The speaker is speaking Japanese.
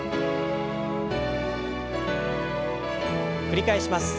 繰り返します。